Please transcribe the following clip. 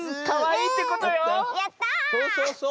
かわいいってことよ！